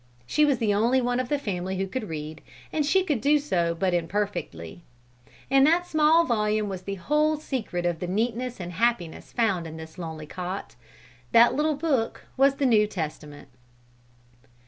She was the only one of the family who could read, and she could do so but imperfectly. In that small volume was the whole secret of the neatness and happiness found in this lonely cot. That little book was the New Testament."